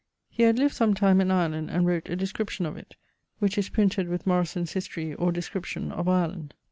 He had lived some time in Ireland, and wrote a description of it, which is printed with Morison's History, or Description, of Ireland.